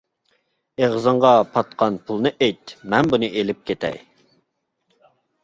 ئېغىزىڭغا پاتقان پۇلنى ئېيت، مەن بۇنى ئېلىپ كېتەي.